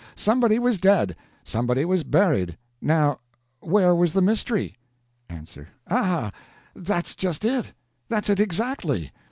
Somebody was dead. Somebody was buried. Now, where was the mystery? A. Ah! that's just it! That's it exactly.